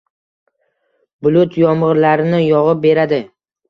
bulut yomgʼirlarini yogʼib beradi